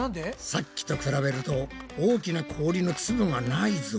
さっきと比べると大きな氷のつぶがないぞ。